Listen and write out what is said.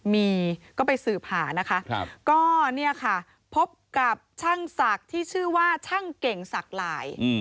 มีก็ไปสืบหานะคะก็เนี่ยค่ะพบกับช่างศักดิ์ที่ชื่อว่าช่างเก่งศักดิ์หลาย